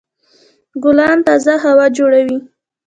ګلان تازه هوا جوړوي.